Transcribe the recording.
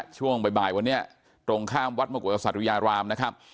ช่วงบ่ายวันนี้ตรงข้ามวัดมกฎกษัตริยารามนะครับ